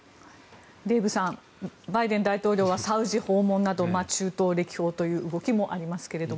デーブさんバイデン大統領はサウジ訪問など中東歴訪という動きもありますけれど。